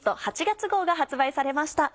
月号が発売されました。